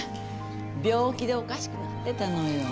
病気でおかしくなってたのよ。